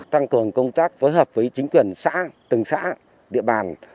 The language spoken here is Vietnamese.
tăng cường công tác phối hợp với chính quyền xã từng xã địa bàn